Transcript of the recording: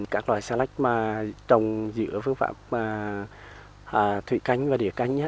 các loại sạch mà trồng giữa phương pháp thủy canh và đỉa canh